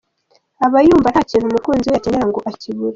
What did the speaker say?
Aba yumva nta kintu umukunzi we yakenera ngo akibure.